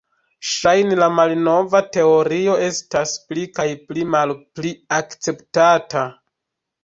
Ŝajne la malnova teorio estas pli kaj pli malpli akceptata.